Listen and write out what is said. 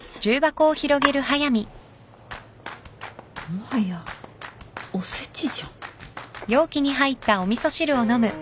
もはやお節じゃん。